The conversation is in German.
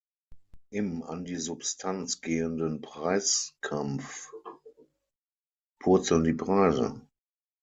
Im an die Substanz gehenden Preiskampf purzeln die Preise.